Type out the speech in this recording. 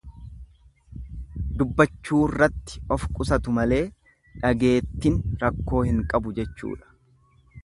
Dubbachuurratti of qusatu malee dhageettin rakkoo hin qabu jechuudha.